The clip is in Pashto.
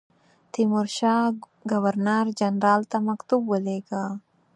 تیمورشاه ګورنر جنرال ته مکتوب ولېږی.